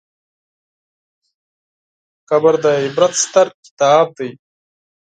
قبر د عبرت ستر کتاب دی.